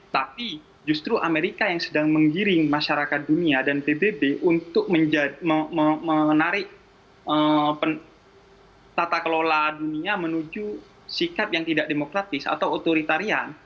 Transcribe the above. tapi justru amerika yang sedang menggiring masyarakat dunia dan pbb untuk menarik tata kelola dunia menuju sikap yang tidak demokratis atau otoritarian